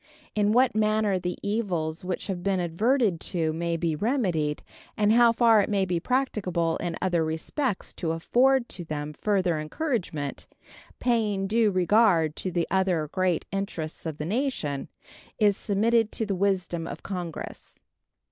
In what manner the evils which have been adverted to may be remedied, and how far it may be practicable in other respects to afford to them further encouragement, paying due regard to the other great interests of the nation, is submitted to the wisdom of Congress.